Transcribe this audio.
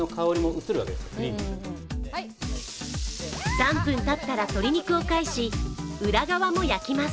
３分たったら鶏肉を返し、裏側も焼きます。